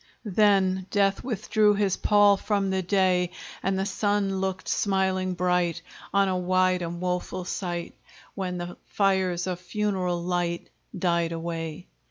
Then death withdrew his pall From the day; And the sun looked smiling bright On a wide and woful sight, Where the fires of funeral light Died away.